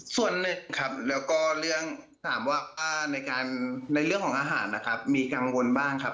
ส่วนหนึ่งครับแล้วก็เรื่องถามว่าในเรื่องของอาหารนะครับมีกังวลบ้างครับ